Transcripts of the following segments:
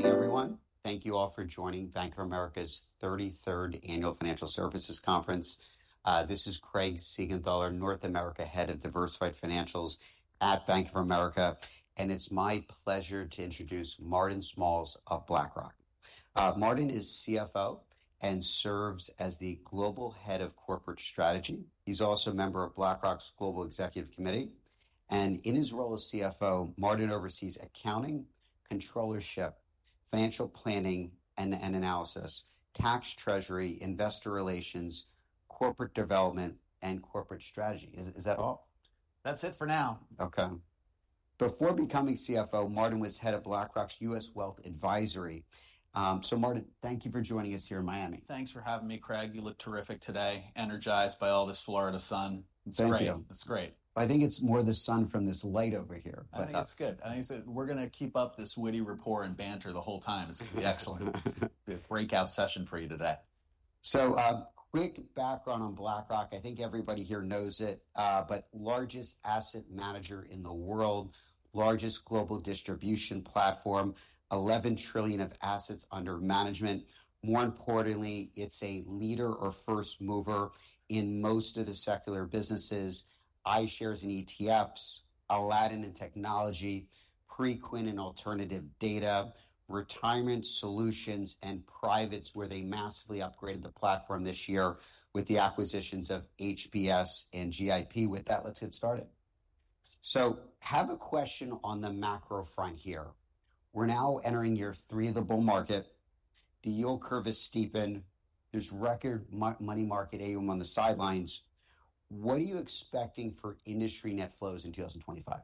Morning, everyone. Thank you all for joining Bank of America's 33rd Annual Financial Services Conference. This is Craig Siegenthaler, North America Head of Diversified Financials at Bank of America, and it's my pleasure to introduce Martin Small of BlackRock. Martin is CFO and serves as the Global Head of Corporate Strategy. He's also a member of BlackRock's Global Executive Committee. And in his role as CFO, Martin oversees accounting, controllership, financial planning and analysis, tax, Treasury, investor relations, corporate development, and corporate strategy. Is that all? That's it for now. Okay. Before becoming CFO, Martin was head of BlackRock's U.S. Wealth Advisory. So, Martin, thank you for joining us here in Miami. Thanks for having me, Craig. You look terrific today, energized by all this Florida sun. Thank you. It's great. I think it's more the sun from this light over here. I think it's good. I think we're going to keep up this witty rapport and banter the whole time. It's going to be excellent. It's a great session for you today. So, quick background on BlackRock. I think everybody here knows it, but largest asset manager in the world, largest global distribution platform, $11 trillion of assets under management. More importantly, it's a leader or first mover in most of the secular businesses, iShares and ETFs, Aladdin and technology, Preqin and alternative data, retirement solutions, and privates, where they massively upgraded the platform this year with the acquisitions of HPS and GIP. With that, let's get started. So, I have a question on the macro front here. We're now entering year three of the bull market. The yield curve has steepened. There's record money market AUM on the sidelines. What are you expecting for industry net flows in 2025?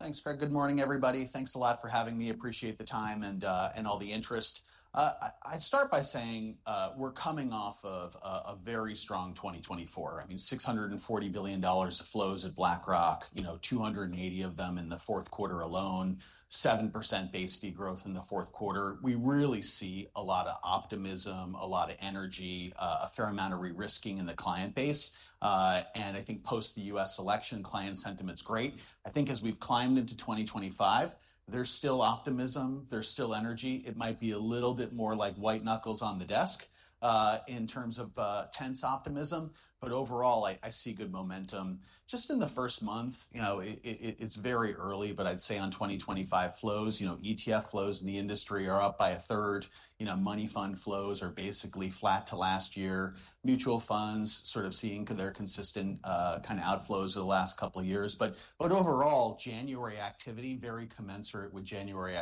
Thanks, Craig. Good morning, everybody. Thanks a lot for having me. Appreciate the time and all the interest. I'd start by saying we're coming off of a very strong 2024. I mean, $640 billion of flows at BlackRock, you know, 280 of them in the fourth quarter alone, 7% base fee growth in the fourth quarter. We really see a lot of optimism, a lot of energy, a fair amount of re-risking in the client base. And I think post the U.S. election, client sentiment's great. I think as we've climbed into 2025, there's still optimism, there's still energy. It might be a little bit more like white knuckles on the desk in terms of tense optimism. But overall, I see good momentum. Just in the first month, you know, it's very early, but I'd say on 2025 flows, you know, ETF flows in the industry are up by a third. You know, money fund flows are basically flat to last year. Mutual funds sort of seeing their consistent kind of outflows over the last couple of years. But overall, January activity, very commensurate with January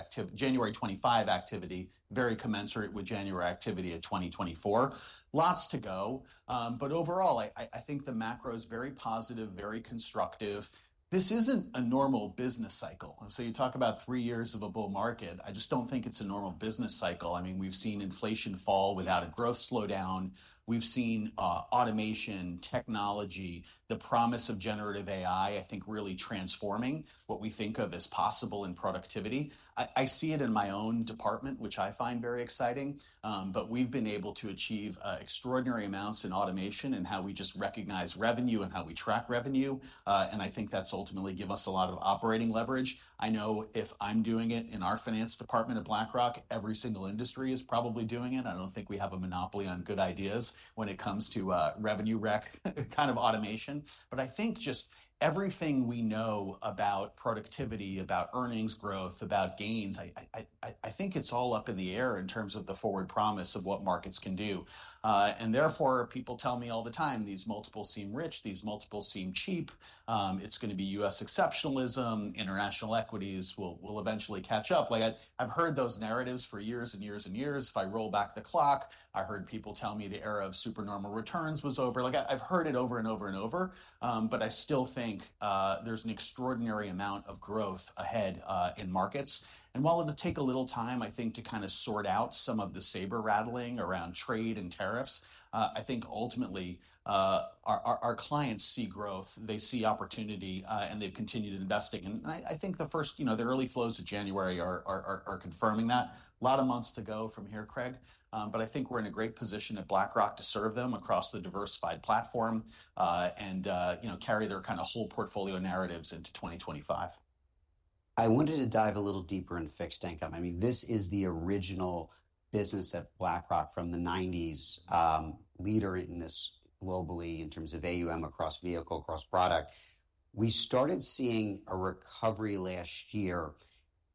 '25 activity, very commensurate with January activity of 2024. Lots to go. But overall, I think the macro is very positive, very constructive. This isn't a normal business cycle. And so you talk about three years of a bull market. I just don't think it's a normal business cycle. I mean, we've seen inflation fall without a growth slowdown. We've seen automation, technology, the promise of generative AI, I think really transforming what we think of as possible in productivity. I see it in my own department, which I find very exciting. But we've been able to achieve extraordinary amounts in automation and how we just recognize revenue and how we track revenue. And I think that's ultimately given us a lot of operating leverage. I know if I'm doing it in our finance department at BlackRock, every single industry is probably doing it. I don't think we have a monopoly on good ideas when it comes to revenue rec kind of automation. But I think just everything we know about productivity, about earnings growth, about gains, I think it's all up in the air in terms of the forward promise of what markets can do. And therefore, people tell me all the time, these multiples seem rich, these multiples seem cheap. It's going to be U.S. exceptionalism. International equities will eventually catch up. Like I've heard those narratives for years and years and years. If I roll back the clock, I heard people tell me the era of supernormal returns was over. Like I've heard it over and over and over. But I still think there's an extraordinary amount of growth ahead in markets. And while it'll take a little time, I think, to kind of sort out some of the saber rattling around trade and tariffs, I think ultimately our clients see growth, they see opportunity, and they've continued investing. And I think the first, you know, the early flows of January are confirming that. A lot of months to go from here, Craig. But I think we're in a great position at BlackRock to serve them across the diversified platform and, you know, carry their kind of whole portfolio narratives into 2025. I wanted to dive a little deeper in fixed income. I mean, this is the original business at BlackRock from the '90s, leader in this globally in terms of AUM across vehicle, across product. We started seeing a recovery last year.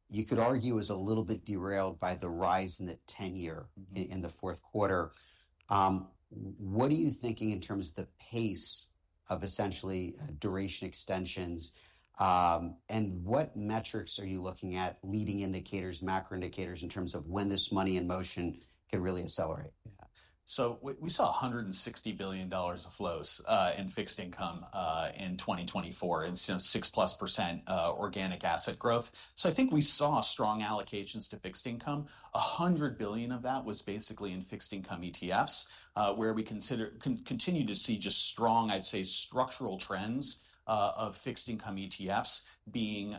You could argue it was a little bit derailed by the rise in the 10-year in the fourth quarter. What are you thinking in terms of the pace of essentially duration extensions? And what metrics are you looking at, leading indicators, macro indicators in terms of when this money in motion can really accelerate? Yeah. So we saw $160 billion of flows in fixed income in 2024 and 6+% organic asset growth. So I think we saw strong allocations to fixed income. $100 billion of that was basically in fixed income ETFs, where we continue to see just strong, I'd say, structural trends of fixed income ETFs being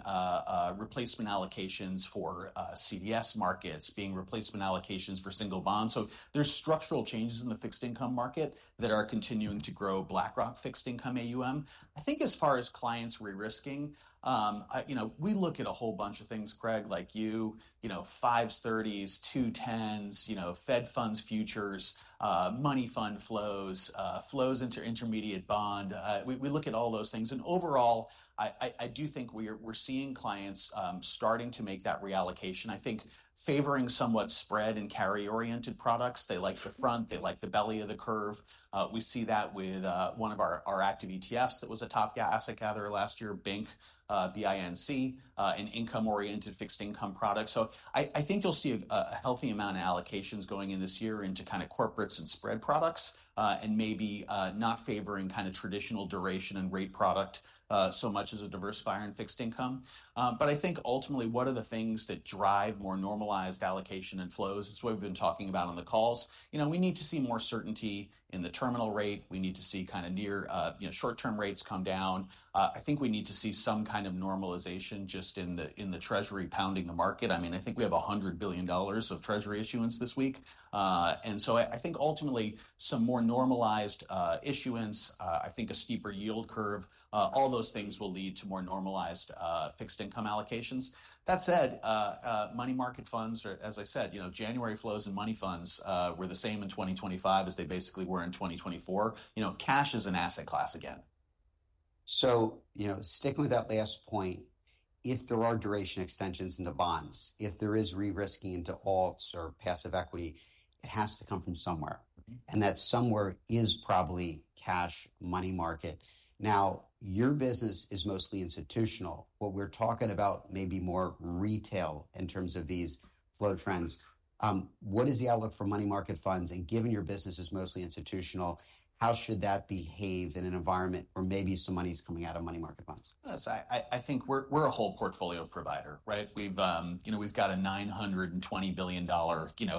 replacement allocations for CDS markets, being replacement allocations for single bonds. So there's structural changes in the fixed income market that are continuing to grow BlackRock fixed income AUM. I think as far as clients re-risking, you know, we look at a whole bunch of things, Craig, like you, you know, 5s30s, 2s10s, you know, Fed funds futures, money fund flows, flows into intermediate bond. We look at all those things. And overall, I do think we're seeing clients starting to make that reallocation. I think favoring somewhat spread and carry-oriented products. They like the front, they like the belly of the curve. We see that with one of our active ETFs that was a top asset gatherer last year, BINC, an income-oriented fixed income product. So I think you'll see a healthy amount of allocations going in this year into kind of corporates and spread products and maybe not favoring kind of traditional duration and rate product so much as a diversifier in fixed income. But I think ultimately what are the things that drive more normalized allocation and flows? It's what we've been talking about on the calls. You know, we need to see more certainty in the terminal rate. We need to see kind of near short-term rates come down. I think we need to see some kind of normalization just in the Treasury pounding the market. I mean, I think we have $100 billion of treasury issuance this week, and so I think ultimately some more normalized issuance, I think a steeper yield curve, all those things will lead to more normalized fixed income allocations. That said, money market funds are, as I said, you know, January flows and money funds were the same in 2025 as they basically were in 2024. You know, cash is an asset class again. You know, sticking with that last point, if there are duration extensions into bonds, if there is re-risking into alts or passive equity, it has to come from somewhere. That somewhere is probably cash, money market. Now, your business is mostly institutional. What we're talking about may be more retail in terms of these flow trends. What is the outlook for money market funds? Given your business is mostly institutional, how should that behave in an environment where maybe some money is coming out of money market funds? I think we're a whole portfolio provider, right? You know, we've got a $920 billion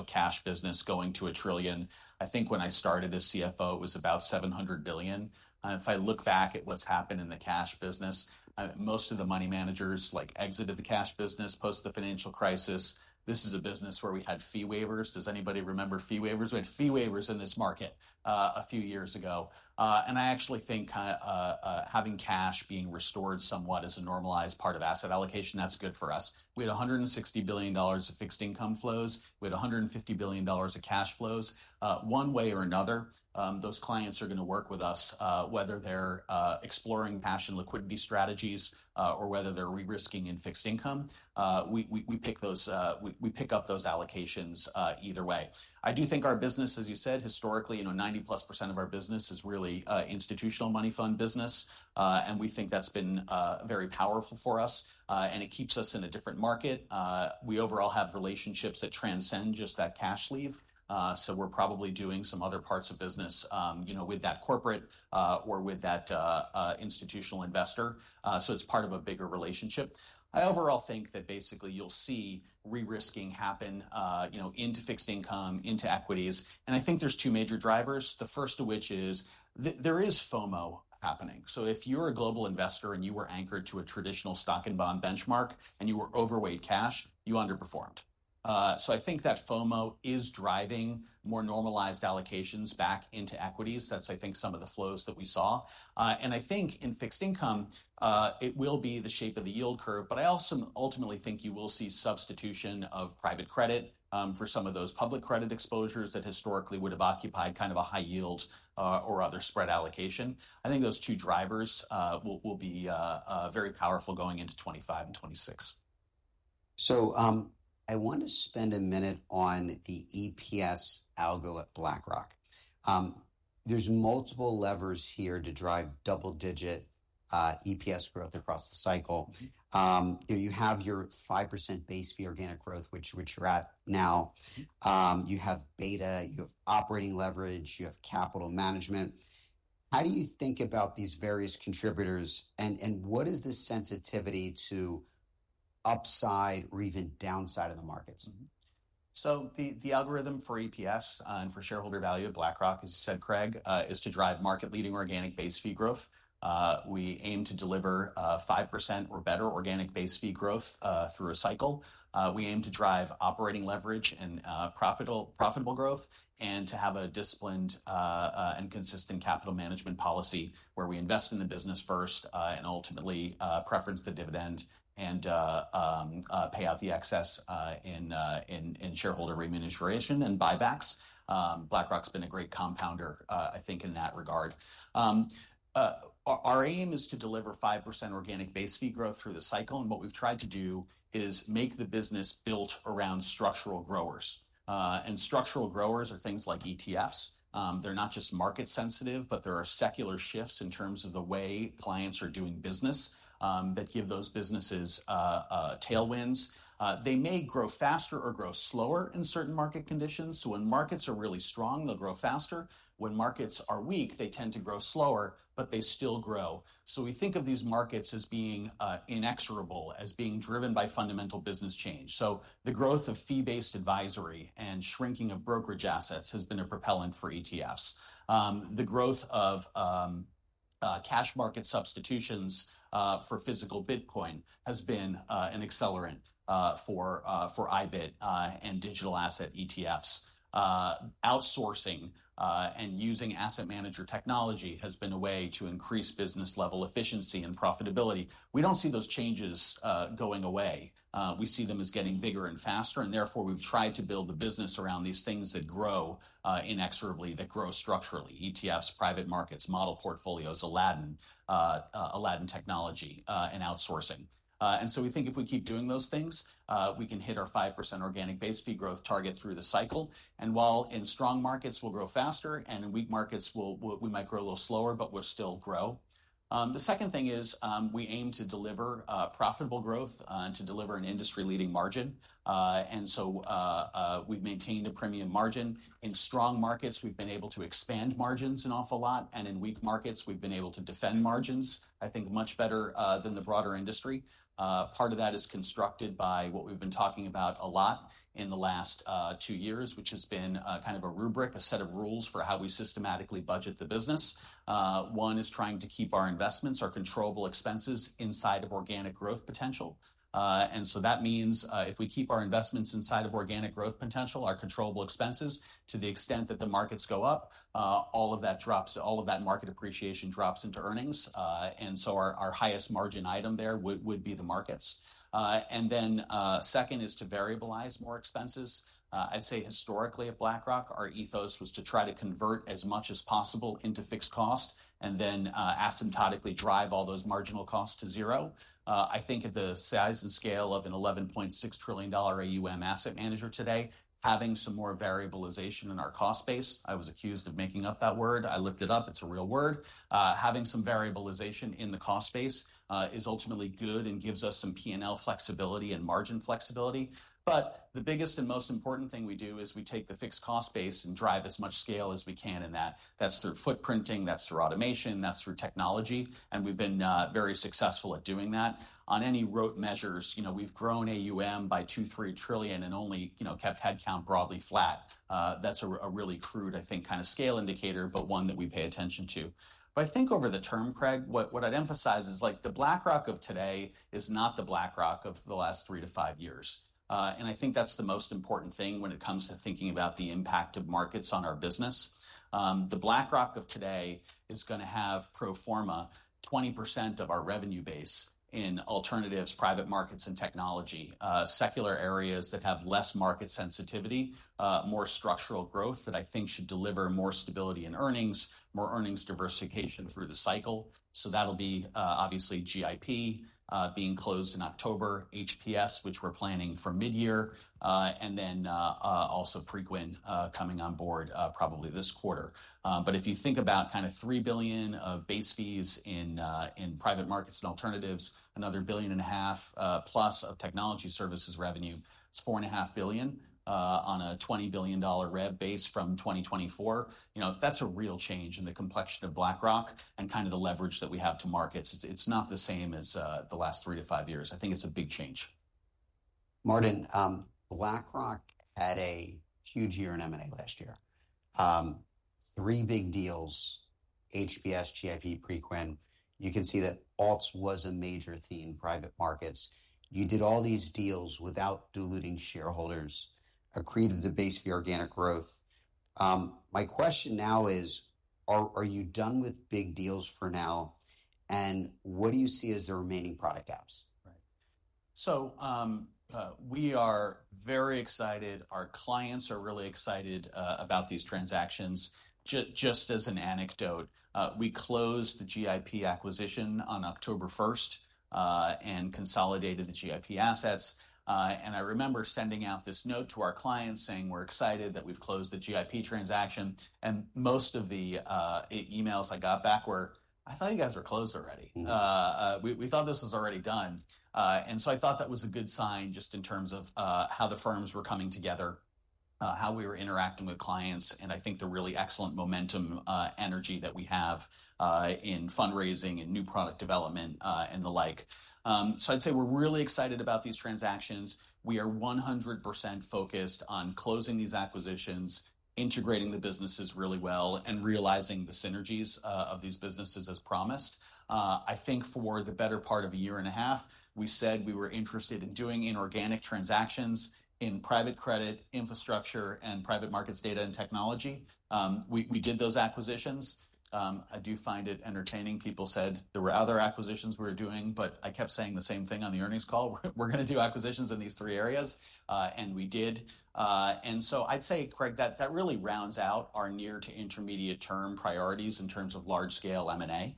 cash business going to a trillion. I think when I started as CFO, it was about $700 billion. If I look back at what's happened in the cash business, most of the money managers like exited the cash business post the financial crisis. This is a business where we had fee waivers. Does anybody remember fee waivers? We had fee waivers in this market a few years ago, and I actually think kind of having cash being restored somewhat as a normalized part of asset allocation, that's good for us. We had $160 billion of fixed income flows. We had $150 billion of cash flows. One way or another, those clients are going to work with us, whether they're exploring cash and liquidity strategies or whether they're re-risking in fixed income. We pick those allocations either way. I do think our business, as you said, historically, you know, 90+% of our business is really institutional money fund business. And we think that's been very powerful for us. And it keeps us in a different market. We overall have relationships that transcend just that cash sleeve. So we're probably doing some other parts of business, you know, with that corporate or with that institutional investor. So it's part of a bigger relationship. I overall think that basically you'll see re-risking happen, you know, into fixed income, into equities. And I think there's two major drivers. The first of which is there is FOMO happening. So if you're a global investor and you were anchored to a traditional stock and bond benchmark and you were overweight cash, you underperformed. So I think that FOMO is driving more normalized allocations back into equities. That's, I think, some of the flows that we saw. And I think in fixed income, it will be the shape of the yield curve. But I also ultimately think you will see substitution of private credit for some of those public credit exposures that historically would have occupied kind of a high yield or other spread allocation. I think those two drivers will be very powerful going into 2025 and 2026. So I want to spend a minute on the EPS algo at BlackRock. There's multiple levers here to drive double-digit EPS growth across the cycle. You have your 5% base fee organic growth, which you're at now. You have beta, you have operating leverage, you have capital management. How do you think about these various contributors and what is the sensitivity to upside or even downside of the markets? The algorithm for EPS and for shareholder value at BlackRock, as you said, Craig, is to drive market-leading organic base fee growth. We aim to deliver 5% or better organic base fee growth through a cycle. We aim to drive operating leverage and profitable growth and to have a disciplined and consistent capital management policy where we invest in the business first and ultimately preference the dividend and pay out the excess in shareholder remuneration and buybacks. BlackRock's been a great compounder, I think, in that regard. Our aim is to deliver 5% organic base fee growth through the cycle. What we've tried to do is make the business built around structural growers. Structural growers are things like ETFs. They're not just market sensitive, but there are secular shifts in terms of the way clients are doing business that give those businesses tailwinds. They may grow faster or grow slower in certain market conditions, so when markets are really strong, they'll grow faster. When markets are weak, they tend to grow slower, but they still grow, so we think of these markets as being inexorable, as being driven by fundamental business change, so the growth of fee-based advisory and shrinking of brokerage assets has been a propellant for ETFs. The growth of cash market substitutions for physical Bitcoin has been an accelerant for IBIT and digital asset ETFs. Outsourcing and using asset manager technology has been a way to increase business-level efficiency and profitability. We don't see those changes going away. We see them as getting bigger and faster, and therefore, we've tried to build the business around these things that grow inexorably, that grow structurally: ETFs, private markets, model portfolios, Aladdin, Aladdin technology, and outsourcing. And so we think if we keep doing those things, we can hit our 5% organic base fee growth target through the cycle. And while in strong markets, we'll grow faster, and in weak markets, we might grow a little slower, but we'll still grow. The second thing is we aim to deliver profitable growth and to deliver an industry-leading margin. And so we've maintained a premium margin. In strong markets, we've been able to expand margins an awful lot. And in weak markets, we've been able to defend margins, I think, much better than the broader industry. Part of that is constructed by what we've been talking about a lot in the last two years, which has been kind of a rubric, a set of rules for how we systematically budget the business. One is trying to keep our investments, our controllable expenses inside of organic growth potential. And so that means if we keep our investments inside of organic growth potential, our controllable expenses, to the extent that the markets go up, all of that drops, all of that market appreciation drops into earnings. And so our highest margin item there would be the markets. And then second is to variabilize more expenses. I'd say historically at BlackRock, our ethos was to try to convert as much as possible into fixed cost and then asymptotically drive all those marginal costs to zero. I think at the size and scale of an $11.6 trillion AUM asset manager today, having some more variabilization in our cost base, I was accused of making up that word. I looked it up. It's a real word. Having some variabilization in the cost base is ultimately good and gives us some P&L flexibility and margin flexibility. But the biggest and most important thing we do is we take the fixed cost base and drive as much scale as we can in that. That's through footprinting, that's through automation, that's through technology. And we've been very successful at doing that. On any rote measures, you know, we've grown AUM by two, three trillion and only, you know, kept headcount broadly flat. That's a really crude, I think, kind of scale indicator, but one that we pay attention to. But I think over the term, Craig, what I'd emphasize is like the BlackRock of today is not the BlackRock of the last three to five years. And I think that's the most important thing when it comes to thinking about the impact of markets on our business. The BlackRock of today is going to have pro forma 20% of our revenue base in alternatives, private markets and technology, secular areas that have less market sensitivity, more structural growth that I think should deliver more stability in earnings, more earnings diversification through the cycle. So that'll be obviously GIP being closed in October, HPS, which we're planning for midyear, and then also Preqin coming on board probably this quarter. But if you think about kind of $3 billion of base fees in private markets and alternatives, another $1.5 billion plus of technology services revenue, it's $4.5 billion on a $20 billion rev base from 2024. You know, that's a real change in the complexion of BlackRock and kind of the leverage that we have to markets. It's not the same as the last three to five years. I think it's a big change. Martin, BlackRock had a huge year in M&A last year. Three big deals, HPS, GIP, Preqin. You can see that alts was a major theme in private markets. You did all these deals without diluting shareholders, accreted the base fee organic growth. My question now is, are you done with big deals for now? And what do you see as the remaining product gaps? Right, so we are very excited. Our clients are really excited about these transactions. Just as an anecdote, we closed the GIP acquisition on October 1st and consolidated the GIP assets, and I remember sending out this note to our clients saying, "We're excited that we've closed the GIP transaction," and most of the emails I got back were, "I thought you guys were closed already. We thought this was already done," and so I thought that was a good sign just in terms of how the firms were coming together, how we were interacting with clients, and I think the really excellent momentum energy that we have in fundraising and new product development and the like, so I'd say we're really excited about these transactions. We are 100% focused on closing these acquisitions, integrating the businesses really well, and realizing the synergies of these businesses as promised. I think for the better part of a year and a half, we said we were interested in doing inorganic transactions in private credit infrastructure and private markets data and technology. We did those acquisitions. I do find it entertaining. People said there were other acquisitions we were doing, but I kept saying the same thing on the earnings call. We're going to do acquisitions in these three areas, and we did, and so I'd say, Craig, that really rounds out our near to intermediate term priorities in terms of large-scale M&A.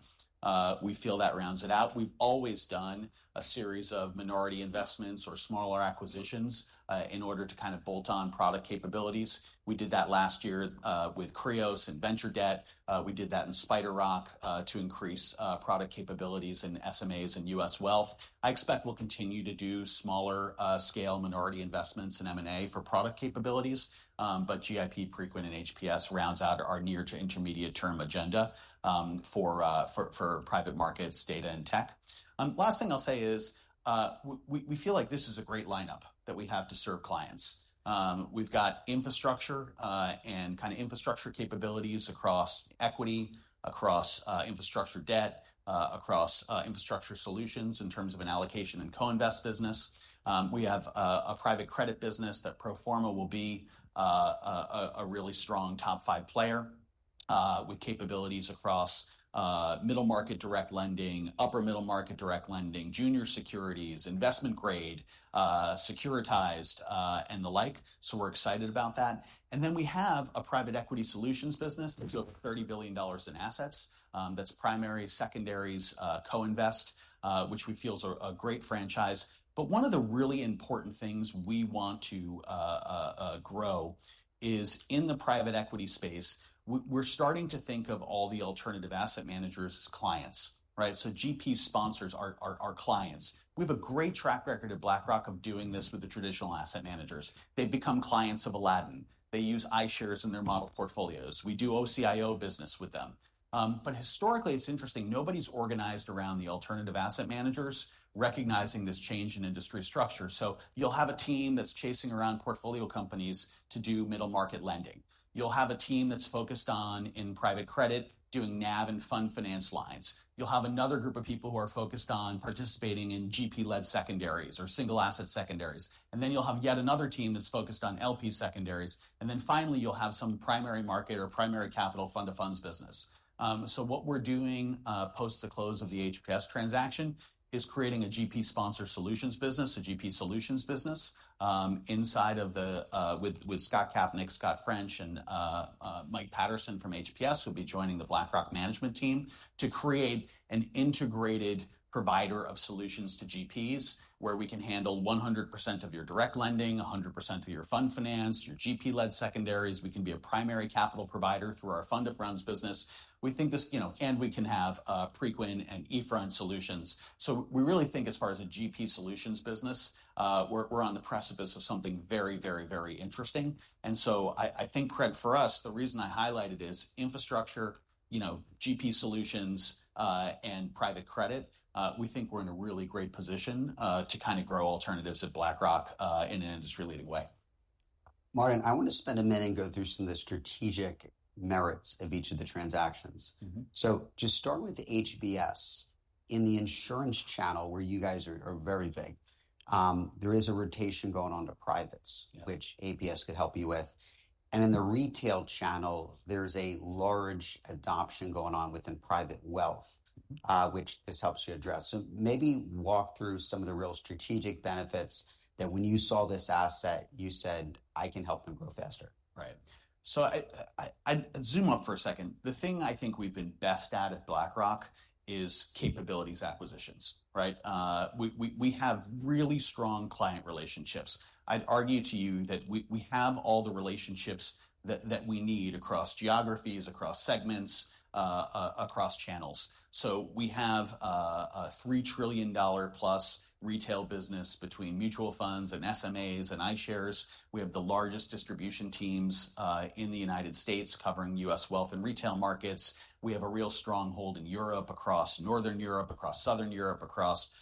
We feel that rounds it out. We've always done a series of minority investments or smaller acquisitions in order to kind of bolt on product capabilities. We did that last year with Kreos and venture debt. We did that in SpiderRock to increase product capabilities in SMAs and US Wealth. I expect we'll continue to do smaller scale minority investments in M&A for product capabilities, but GIP, eFront, and HPS rounds out our near to intermediate term agenda for private markets, data, and tech. Last thing I'll say is we feel like this is a great lineup that we have to serve clients. We've got infrastructure and kind of infrastructure capabilities across equity, across infrastructure debt, across infrastructure solutions in terms of an allocation and co-invest business. We have a private credit business that pro forma will be a really strong top five player with capabilities across middle market direct lending, upper middle market direct lending, junior securities, investment grade, securitized, and the like, so we're excited about that, and then we have a private equity solutions business that's worth $30 billion in assets. That's primary, secondaries, co-invest, which we feel is a great franchise. But one of the really important things we want to grow is in the private equity space. We're starting to think of all the alternative asset managers as clients, right? So GP sponsors are clients. We have a great track record at BlackRock of doing this with the traditional asset managers. They've become clients of Aladdin. They use iShares in their model portfolios. We do OCIO business with them. But historically, it's interesting. Nobody's organized around the alternative asset managers recognizing this change in industry structure. So you'll have a team that's chasing around portfolio companies to do middle market lending. You'll have a team that's focused on in private credit doing NAV and fund finance lines. You'll have another group of people who are focused on participating in GP-led secondaries or single asset secondaries. And then you'll have yet another team that's focused on LP secondaries. And then finally, you'll have some primary market or primary capital fund of funds business. So what we're doing post the close of the HPS transaction is creating a GP sponsor solutions business, a GP solutions business inside BlackRock with Scott Kapnick, Scot French, and Mike Patterson from HPS who will be joining the BlackRock management team to create an integrated provider of solutions to GPs where we can handle 100% of your direct lending, 100% of your fund finance, your GP-led secondaries. We can be a primary capital provider through our fund of funds business. We think this, you know, and we can have Preqin and eFront solutions. So we really think as far as a GP solutions business, we're on the precipice of something very, very, very interesting. And so I think, Craig, for us, the reason I highlighted is infrastructure, you know, GP solutions and private credit. We think we're in a really great position to kind of grow alternatives at BlackRock in an industry-leading way. Martin, I want to spend a minute and go through some of the strategic merits of each of the transactions. So just start with the HPS. In the insurance channel, where you guys are very big, there is a rotation going on to privates, which HPS could help you with. And in the retail channel, there's a large adoption going on within private wealth, which this helps you address. So maybe walk through some of the real strategic benefits that when you saw this asset, you said, "I can help them grow faster. Right. So I'd zoom up for a second. The thing I think we've been best at at BlackRock is capabilities acquisitions, right? We have really strong client relationships. I'd argue to you that we have all the relationships that we need across geographies, across segments, across channels. So we have a $3 trillion plus retail business between mutual funds and SMAs and iShares. We have the largest distribution teams in the United States covering U.S. wealth and retail markets. We have a real strong hold in Europe, across Northern Europe, across Southern Europe, across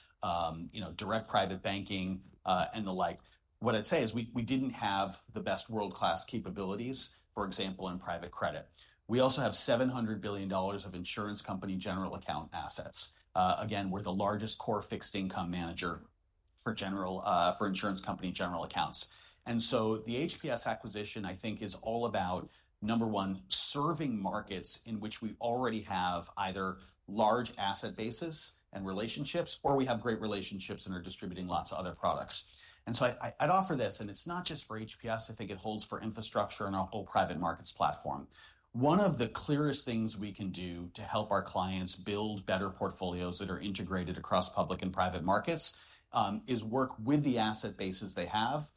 direct private banking and the like. What I'd say is we didn't have the best world-class capabilities, for example, in private credit. We also have $700 billion of insurance company general account assets. Again, we're the largest core fixed income manager for insurance company general accounts. And so the HPS acquisition, I think, is all about, number one, serving markets in which we already have either large asset bases and relationships, or we have great relationships and are distributing lots of other products. And so I'd offer this, and it's not just for HPS. I think it holds for infrastructure and our whole private markets platform. One of the clearest things we can do to help our clients build better portfolios that are integrated across public and private markets is work with the asset bases they have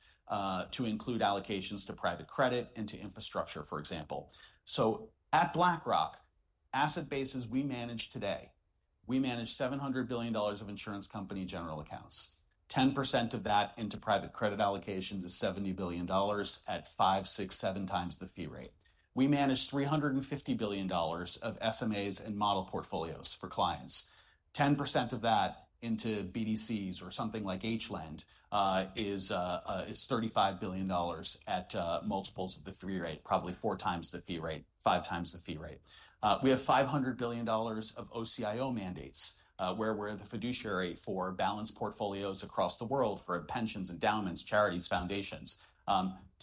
to include allocations to private credit and to infrastructure, for example. So at BlackRock, asset bases we manage today, we manage $700 billion of insurance company general accounts. 10% of that into private credit allocations is $70 billion at five, six, seven times the fee rate. We manage $350 billion of SMAs and model portfolios for clients. 10% of that into BDCs or something like HLEND is $35 billion at multiples of the fee rate, probably four times the fee rate, five times the fee rate. We have $500 billion of OCIO mandates where we're the fiduciary for balance portfolios across the world for pensions, endowments, charities, foundations.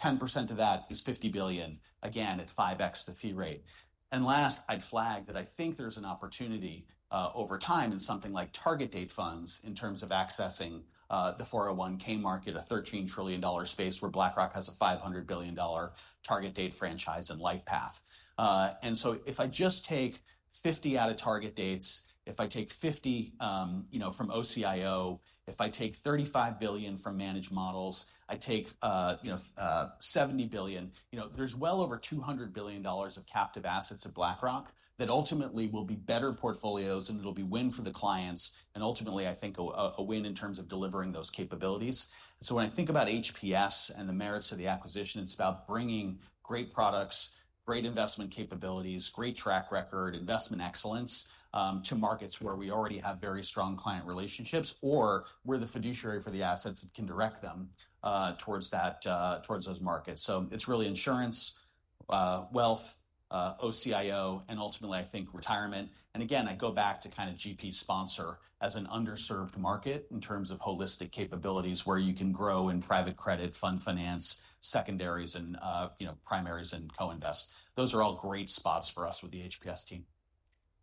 10% of that is $50 billion, again, at 5x the fee rate. Last, I'd flag that I think there's an opportunity over time in something like target date funds in terms of accessing the 401(k) market, a $13 trillion space where BlackRock has a $500 billion target date franchise and LifePath. And so if I just take 50 out of target dates, if I take 50, you know, from OCIO, if I take $35 billion from managed models, I take, you know, $70 billion, you know, there's well over $200 billion of captive assets at BlackRock that ultimately will be better portfolios and it'll be win for the clients and ultimately, I think, a win in terms of delivering those capabilities. So when I think about HPS and the merits of the acquisition, it's about bringing great products, great investment capabilities, great track record, investment excellence to markets where we already have very strong client relationships or we're the fiduciary for the assets that can direct them towards those markets. So it's really insurance, wealth, OCIO, and ultimately, I think retirement. Again, I go back to kind of GP sponsor as an underserved market in terms of holistic capabilities where you can grow in private credit, fund finance, secondaries, and, you know, primaries and co-invest. Those are all great spots for us with the HPS team.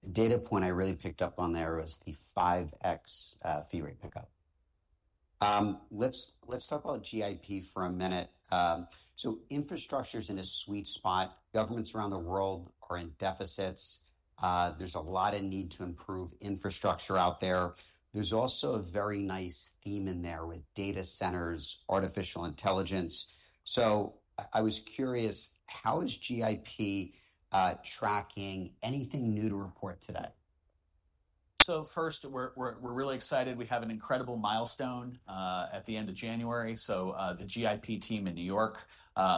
The data point I really picked up on there was the 5x fee rate pickup. Let's talk about GIP for a minute. So infrastructure is in a sweet spot. Governments around the world are in deficits. There's a lot of need to improve infrastructure out there. There's also a very nice theme in there with data centers, artificial intelligence. So I was curious, how is GIP tracking anything new to report today? So first, we're really excited. We have an incredible milestone at the end of January. So the GIP team in New York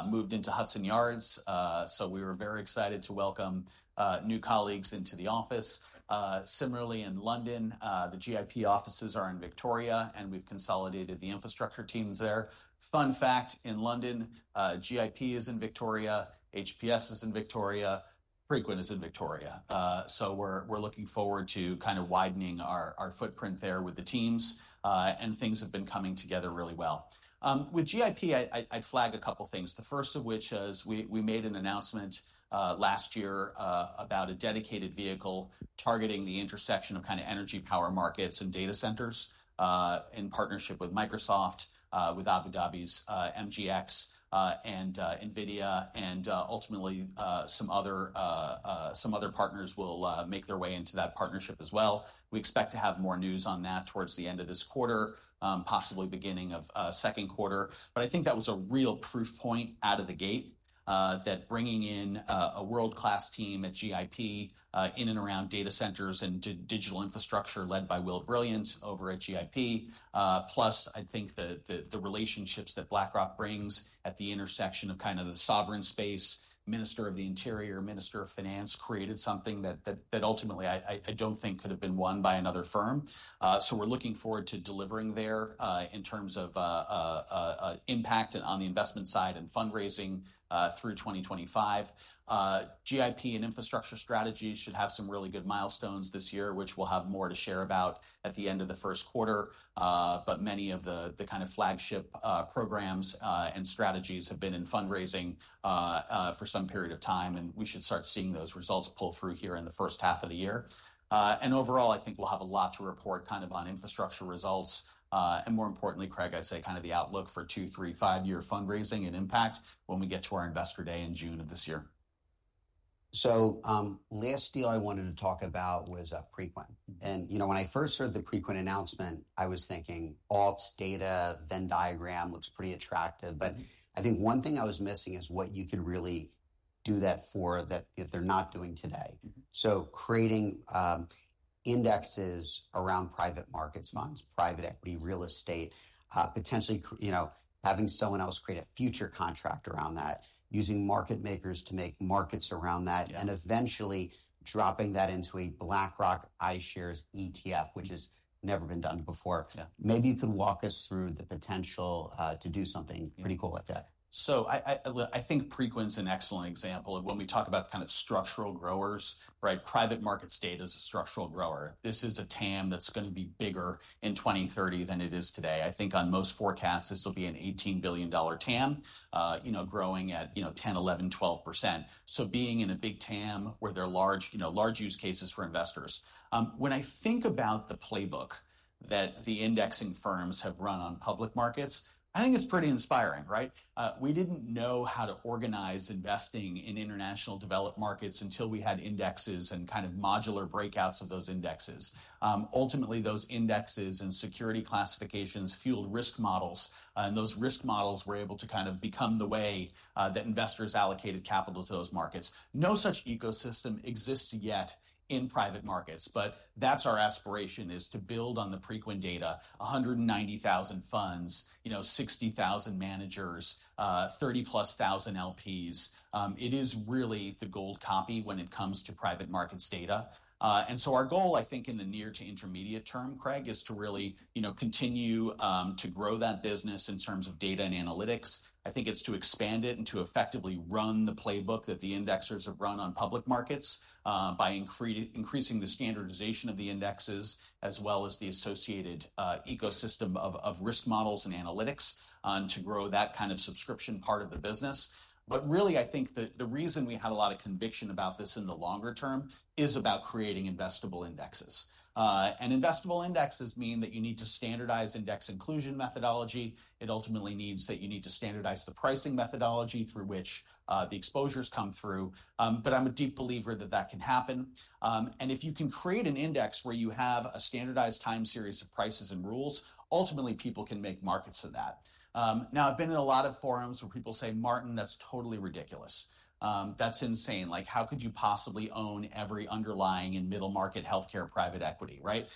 moved into Hudson Yards. So we were very excited to welcome new colleagues into the office. Similarly, in London, the GIP offices are in Victoria, and we've consolidated the infrastructure teams there. Fun fact, in London, GIP is in Victoria, HPS is in Victoria, Preqin is in Victoria. So we're looking forward to kind of widening our footprint there with the teams. And things have been coming together really well. With GIP, I'd flag a couple of things, the first of which is we made an announcement last year about a dedicated vehicle targeting the intersection of kind of energy power markets and data centers in partnership with Microsoft, with Abu Dhabi's MGX and NVIDIA, and ultimately some other partners will make their way into that partnership as well. We expect to have more news on that towards the end of this quarter, possibly beginning of second quarter. But I think that was a real proof point out of the gate that bringing in a world-class team at GIP in and around data centers and digital infrastructure led by Will Brilliant over at GIP, plus I think the relationships that BlackRock brings at the intersection of kind of the sovereign space, Minister of the Interior, Minister of Finance created something that ultimately I don't think could have been won by another firm. So we're looking forward to delivering there in terms of impact and on the investment side and fundraising through 2025. GIP and infrastructure strategies should have some really good milestones this year, which we'll have more to share about at the end of the first quarter. But many of the kind of flagship programs and strategies have been in fundraising for some period of time, and we should start seeing those results pull through here in the first half of the year. And overall, I think we'll have a lot to report kind of on infrastructure results. And more importantly, Craig, I'd say kind of the outlook for two, three, five-year fundraising and impact when we get to our investor day in June of this year. So the last deal I wanted to talk about was eFront. And, you know, when I first heard the eFront announcement, I was thinking alts, data. Venn diagram looks pretty attractive. But I think one thing I was missing is what you could really do that for that they're not doing today. So creating indexes around private markets funds, private equity, real estate, potentially, you know, having someone else create a futures contract around that, using market makers to make markets around that, and eventually dropping that into a BlackRock iShares ETF, which has never been done before. Maybe you could walk us through the potential to do something pretty cool like that. So I think Preqin's an excellent example of when we talk about kind of structural growers, right? Private markets data is a structural grower. This is a TAM that's going to be bigger in 2030 than it is today. I think on most forecasts, this will be an $18 billion TAM, you know, growing at, you know, 10%-12%. So being in a big TAM where there are large, you know, large use cases for investors. When I think about the playbook that the indexing firms have run on public markets, I think it's pretty inspiring, right? We didn't know how to organize investing in international developed markets until we had indexes and kind of modular breakouts of those indexes. Ultimately, those indexes and security classifications fueled risk models, and those risk models were able to kind of become the way that investors allocated capital to those markets. No such ecosystem exists yet in private markets, but that's our aspiration is to build on the Preqin data, 190,000 funds, you know, 60,000 managers, 30 plus thousand LPs. It is really the gold copy when it comes to private markets data, and so our goal, I think in the near to intermediate term, Craig, is to really, you know, continue to grow that business in terms of data and analytics. I think it's to expand it and to effectively run the playbook that the indexers have run on public markets by increasing the standardization of the indexes as well as the associated ecosystem of risk models and analytics to grow that kind of subscription part of the business, but really, I think the reason we had a lot of conviction about this in the longer term is about creating investable indexes. Investable indexes mean that you need to standardize index inclusion methodology. It ultimately means that you need to standardize the pricing methodology through which the exposures come through. I'm a deep believer that that can happen. If you can create an index where you have a standardized time series of prices and rules, ultimately people can make markets of that. Now, I've been in a lot of forums where people say, "Martin, that's totally ridiculous. That's insane. Like, how could you possibly own every underlying and middle market healthcare private equity, right?"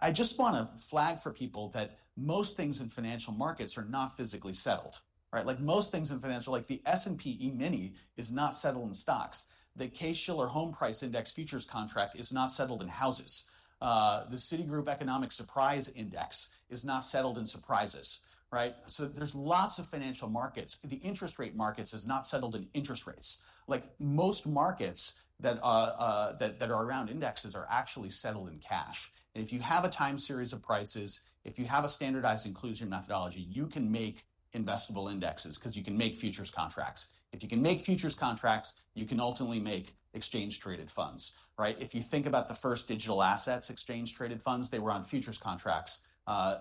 I just want to flag for people that most things in financial markets are not physically settled, right? Like most things in financial, like the S&P E-mini is not settled in stocks. The Case-Shiller Home Price Index Futures Contract is not settled in houses. The Citigroup Economic Surprise Index is not settled in surprises, right? There's lots of financial markets. The interest rate markets is not settled in interest rates. Like most markets that are around indexes are actually settled in cash. If you have a time series of prices, if you have a standardized inclusion methodology, you can make investable indexes because you can make futures contracts. If you can make futures contracts, you can ultimately make exchange-traded funds, right? If you think about the first digital assets, exchange-traded funds, they were on futures contracts.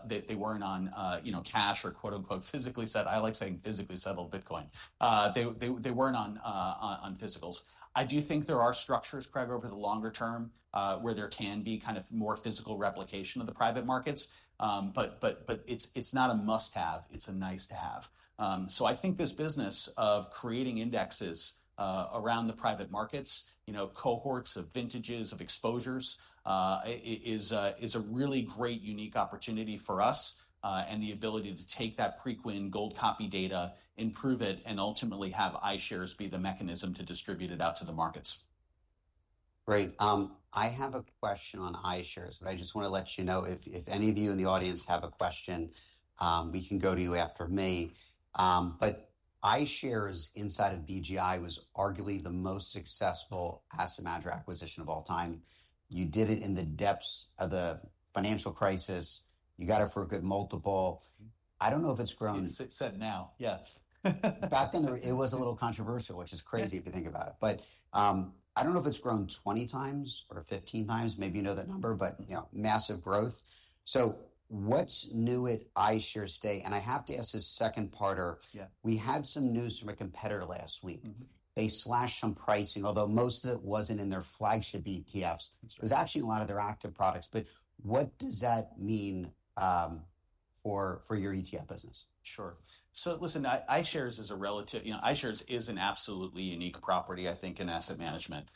They weren't on, you know, cash or quote unquote physically settled. I like saying physically settled Bitcoin. They weren't on physicals. I do think there are structures, Craig, over the longer term where there can be kind of more physical replication of the private markets. But it's not a must-have. It's a nice to have. So I think this business of creating indexes around the private markets, you know, cohorts of vintages of exposures, is a really great unique opportunity for us and the ability to take that Preqin gold copy data, improve it, and ultimately have iShares be the mechanism to distribute it out to the markets. Great. I have a question on iShares, but I just want to let you know if any of you in the audience have a question, we can go to you after me. But iShares inside of BGI was arguably the most successful asset manager acquisition of all time. You did it in the depths of the financial crisis. You got it for a good multiple. I don't know if it's grown. It's set now. Yeah. Back then, it was a little controversial, which is crazy if you think about it. But I don't know if it's grown 20 times or 15 times. Maybe you know that number, but you know, massive growth. So what's new at iShares today? And I have to ask this second part. We had some news from a competitor last week. They slashed some pricing, although most of it wasn't in their flagship ETFs. It was actually in a lot of their active products. But what does that mean for your ETF business? Sure. So listen, iShares is a relative, you know, iShares is an absolutely unique property, I think, in asset management.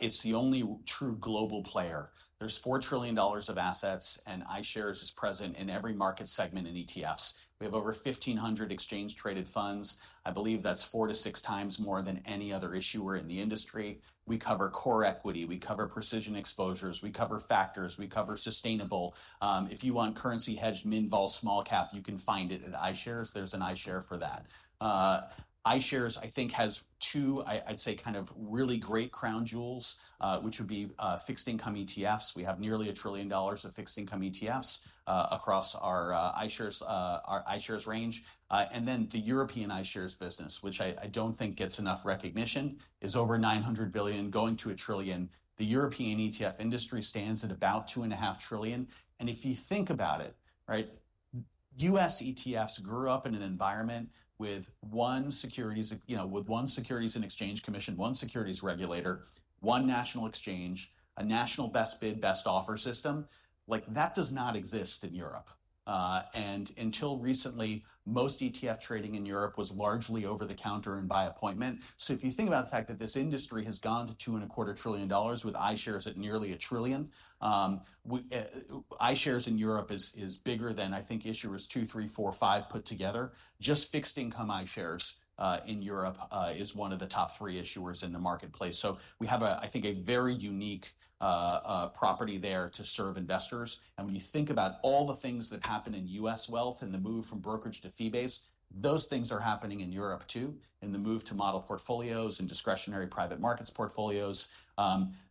It's the only true global player. There's $4 trillion of assets, and iShares is present in every market segment and ETFs. We have over 1,500 exchange-traded funds. I believe that's four to six times more than any other issuer in the industry. We cover core equity. We cover precision exposures. We cover factors. We cover sustainable. If you want currency hedged min vol small cap, you can find it at iShares. There's an iShare for that. iShares, I think, has two, I'd say, kind of really great crown jewels, which would be fixed income ETFs. We have nearly $1 trillion of fixed income ETFs across our iShares range. And then the European iShares business, which I don't think gets enough recognition, is over $900 billion, going to $1 trillion. The European ETF industry stands at about $2.5 trillion. And if you think about it, right, U.S. ETFs grew up in an environment with one Securities and Exchange Commission, you know, with one securities regulator, one national exchange, a national best bid, best offer system. Like that does not exist in Europe. And until recently, most ETF trading in Europe was largely over the counter and by appointment. So if you think about the fact that this industry has gone to $2.25 trillion with iShares at nearly $1 trillion, iShares in Europe is bigger than, I think, issuers two, three, four, five put together. Just fixed income iShares in Europe is one of the top three issuers in the marketplace. So we have, I think, a very unique property there to serve investors. And when you think about all the things that happen in U.S. wealth and the move from brokerage to fee-based, those things are happening in Europe too, in the move to model portfolios and discretionary private markets portfolios.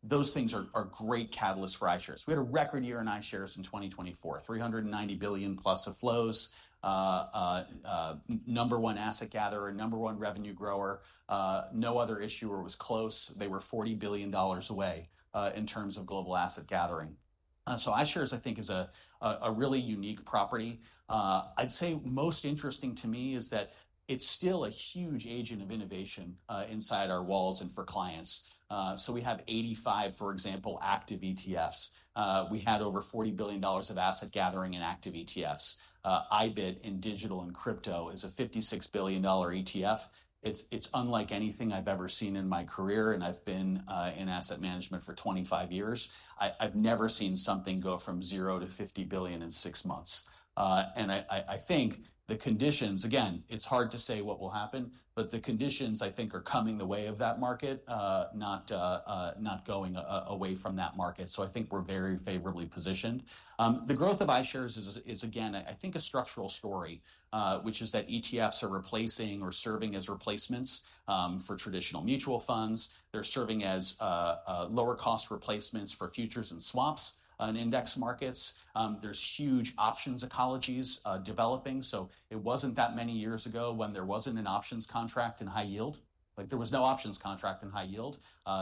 Those things are great catalysts for iShares. We had a record year in iShares in 2024, $390 billion plus of flows, number one asset gatherer, number one revenue grower. No other issuer was close. They were $40 billion away in terms of global asset gathering. So iShares, I think, is a really unique property. I'd say most interesting to me is that it's still a huge agent of innovation inside our walls and for clients. So we have 85, for example, active ETFs. We had over $40 billion of asset gathering in active ETFs. IBIT in digital and crypto is a $56 billion ETF. It's unlike anything I've ever seen in my career, and I've been in asset management for 25 years. I've never seen something go from zero to $50 billion in six months. And I think the conditions, again, it's hard to say what will happen, but the conditions, I think, are coming the way of that market, not going away from that market. So I think we're very favorably positioned. The growth of iShares is, again, I think a structural story, which is that ETFs are replacing or serving as replacements for traditional mutual funds. They're serving as lower cost replacements for futures and swaps in index markets. There's huge options ecosystems developing. So it wasn't that many years ago when there wasn't an options contract in high yield. Like there was no options contract in high yield.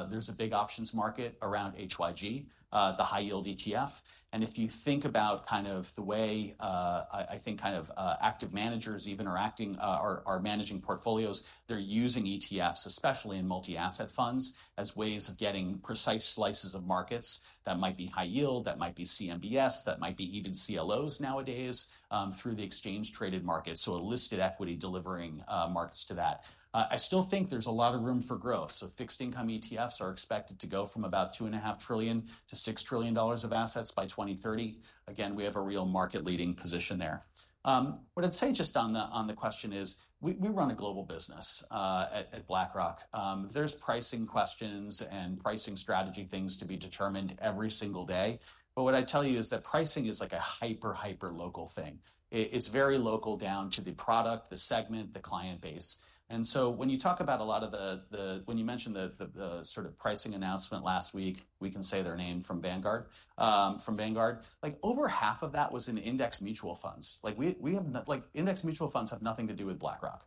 There's a big options market around HYG, the high yield ETF. And if you think about kind of the way I think kind of active managers even are acting, are managing portfolios, they're using ETFs, especially in multi-asset funds, as ways of getting precise slices of markets that might be high yield, that might be CMBS, that might be even CLOs nowadays through the exchange-traded markets. So a listed equity delivering markets to that. I still think there's a lot of room for growth. So fixed income ETFs are expected to go from about $2.5 trillion to $6 trillion of assets by 2030. Again, we have a real market leading position there. What I'd say just on the question is we run a global business at BlackRock. There's pricing questions and pricing strategy things to be determined every single day. But what I tell you is that pricing is like a hyper, hyper local thing. It's very local down to the product, the segment, the client base. And so when you talk about a lot of the, when you mentioned the sort of pricing announcement last week, we can say their name from Vanguard, from Vanguard, like over half of that was in index mutual funds. Like we have, like index mutual funds have nothing to do with BlackRock.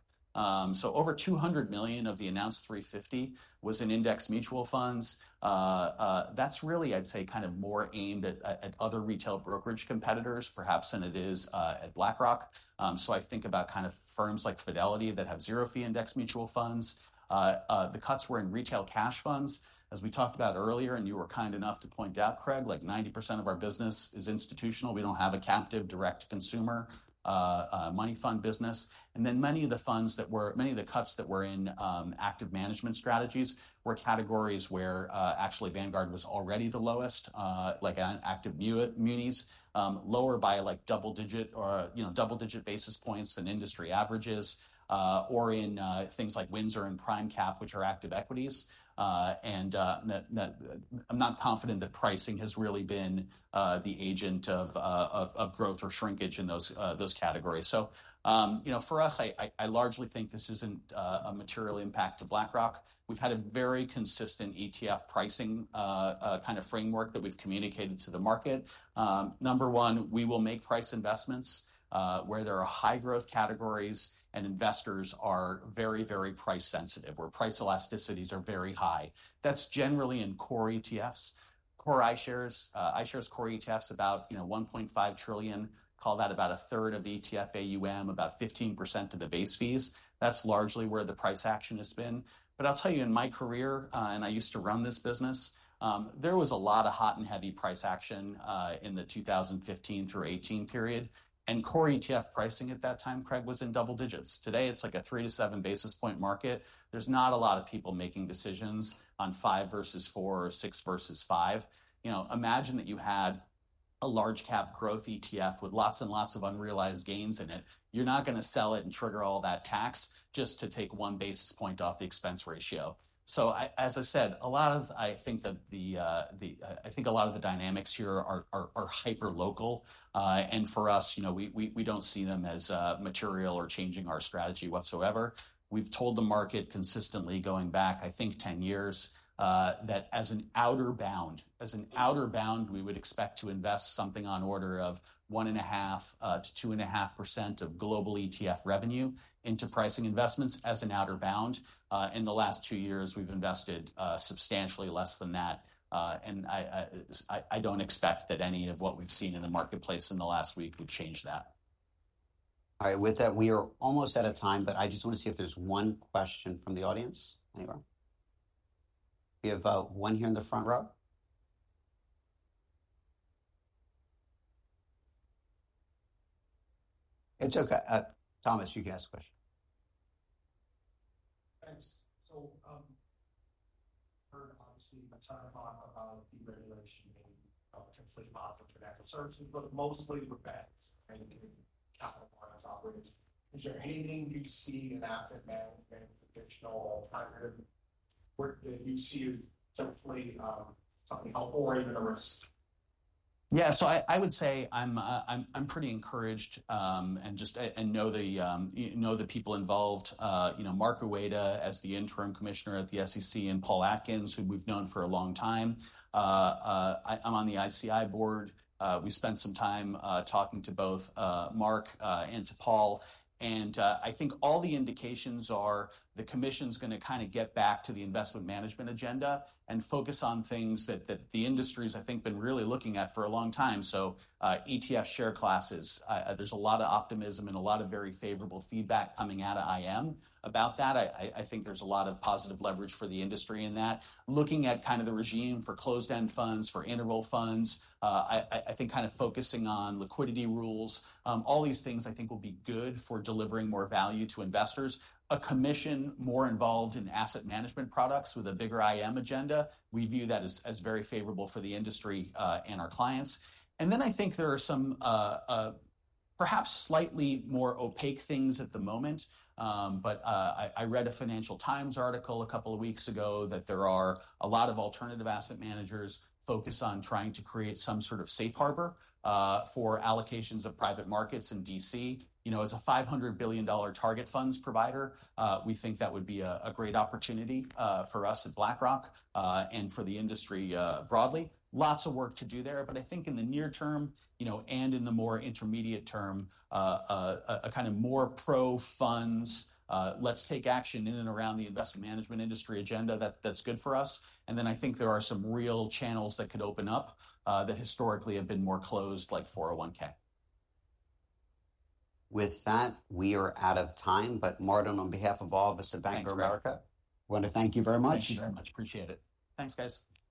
So over $200 million of the announced $350 million was in index mutual funds. That's really, I'd say, kind of more aimed at other retail brokerage competitors, perhaps than it is at BlackRock. So I think about kind of firms like Fidelity that have zero fee index mutual funds. The cuts were in retail cash funds, as we talked about earlier, and you were kind enough to point out, Craig, like 90% of our business is institutional. We don't have a captive direct consumer money fund business. Many of the cuts that were in active management strategies were categories where actually Vanguard was already the lowest, like active munis, lower by like double digit or, you know, double digit basis points than industry averages or in things like Windsor and PRIMECAP, which are active equities. I'm not confident that pricing has really been the agent of growth or shrinkage in those categories. For us, I largely think this isn't a material impact to BlackRock. We've had a very consistent ETF pricing kind of framework that we've communicated to the market. Number one, we will make price investments where there are high growth categories and investors are very, very price sensitive where price elasticities are very high. That's generally in core ETFs, Core iShares. iShares Core ETFs about, you know, $1.5 trillion, call that about a third of the ETF AUM, about 15% of the base fees. That's largely where the price action has been. But I'll tell you in my career, and I used to run this business, there was a lot of hot and heavy price action in the 2015 through 2018 period. And core ETF pricing at that time, Craig, was in double digits. Today, it's like a three to seven basis points market. There's not a lot of people making decisions on five versus four or six versus five. You know, imagine that you had a large cap growth ETF with lots and lots of unrealized gains in it. You're not going to sell it and trigger all that tax just to take one basis point off the expense ratio. As I said, I think a lot of the dynamics here are hyper local. For us, you know, we don't see them as material or changing our strategy whatsoever. We've told the market consistently going back, I think, 10 years that as an outer bound we would expect to invest something on the order of 1.5%-2.5% of global ETF revenue into pricing investments as an outer bound. In the last two years, we've invested substantially less than that. I don't expect that any of what we've seen in the marketplace in the last week would change that. All right. With that, we are almost out of time, but I just want to see if there's one question from the audience anywhere. We have one here in the front row. It's okay. Thomas, you can ask a question. Thanks. So I've heard obviously a ton of talk about deregulation and potentially monitoring financial services, but mostly we're hearing bad in capital markets operations. Is there anything you see in asset management traditionally? In this time period, where do you see it potentially as something helpful or even a risk? Yeah. So I would say I'm pretty encouraged and just know the people involved, you know, Mark Uyeda as the interim commissioner at the SEC and Paul Atkins, who we've known for a long time. I'm on the ICI board. We spent some time talking to both Mark and to Paul. And I think all the indications are the commission's going to kind of get back to the investment management agenda and focus on things that the industry has I think been really looking at for a long time. So ETF share classes, there's a lot of optimism and a lot of very favorable feedback coming out of IM about that. I think there's a lot of positive leverage for the industry in that. Looking at kind of the regime for closed-end funds, for interval funds, I think kind of focusing on liquidity rules, all these things I think will be good for delivering more value to investors. A commission more involved in asset management products with a bigger IM agenda, we view that as very favorable for the industry and our clients. And then I think there are some perhaps slightly more opaque things at the moment. But I read a Financial Times article a couple of weeks ago that there are a lot of alternative asset managers focused on trying to create some sort of safe harbor for allocations of private markets in DC. You know, as a $500 billion target funds provider, we think that would be a great opportunity for us at BlackRock and for the industry broadly. Lots of work to do there. But I think in the near term, you know, and in the more intermediate term, a kind of more pro funds, let's take action in and around the investment management industry agenda that's good for us. And then I think there are some real channels that could open up that historically have been more closed, like 401(k). With that, we are out of time. But Martin, on behalf of all of us at Bank of America, want to thank you very much. Thank you very much. Appreciate it. Thanks, guys.